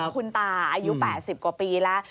คุณตาอายุ๘๐กว่าปีแล้ว